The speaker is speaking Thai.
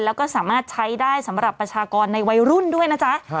แล้วก็สามารถใช้ได้สำหรับประชากรในวัยรุ่นด้วยนะจ๊ะ